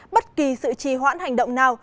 bất kỳ sự trì hoãn hành động nào